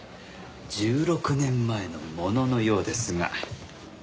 １６年前のもののようですが。